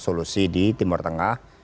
solusi di timur tengah